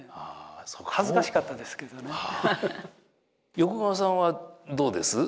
横川さんはどうです？